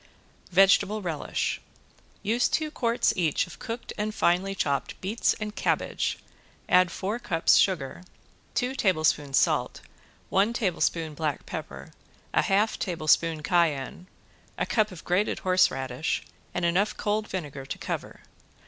~VEGETABLE RELISH~ Use two quarts each of cooked and finely chopped beets and cabbage, add four cups sugar, two tablespoons salt, one tablespoon black pepper, a half tablespoon cayenne, a cup of grated horseradish and enough cold vinegar to cover.